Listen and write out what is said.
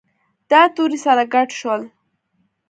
دا توري سره ګډ شول.